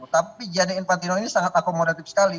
tapi gianni infantino ini sangat akomodatif sekali